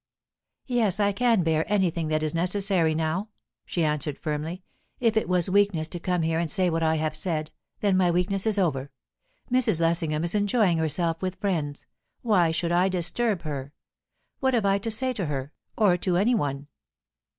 "Yes, I can bear anything that is necessary now," she answered firmly. "If it was weakness to come here and say what I have said, then my weakness is over. Mrs. Lessingham is enjoying herself with friends; why should I disturb her? What have I to say to her, or to any one?"